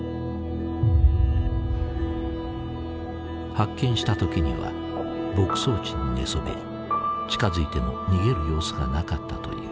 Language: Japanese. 発見した時には牧草地に寝そべり近づいても逃げる様子がなかったという。